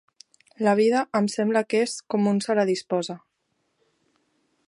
La vida, em sembla que és com un se la disposa